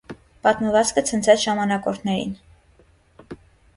Պատմվածքը ցնցեց ժամանակորդներին։